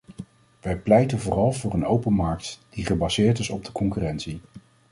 Wij pleiten vooral voor een open markt, die gebaseerd is op de concurrentie.